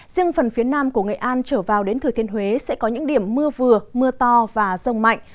riêng phần phía nam của nghệ an trở vào đến thừa thiên huế sẽ có những điểm mưa vừa mưa to và rông mạnh